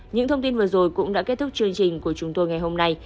những thông tin vừa rồi cũng đã kết thúc chương trình của chúng tôi ngày hôm nay